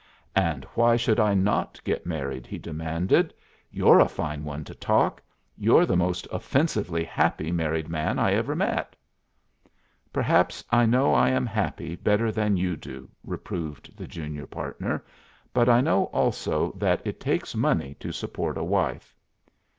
"And why should I not get married?" he demanded. "You're a fine one to talk! You're the most offensively happy married man I ever met." "Perhaps I know I am happy better than you do," reproved the junior partner; "but I know also that it takes money to support a wife."